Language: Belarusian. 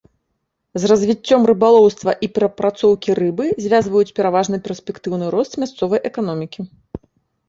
З развіццём рыбалоўства і перапрацоўкі рыбы звязваюць пераважна перспектыўны рост мясцовай эканомікі.